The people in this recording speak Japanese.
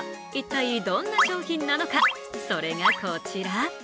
一体どんな商品なのか、それがこちら。